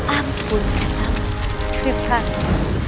ampun katamu keripangmu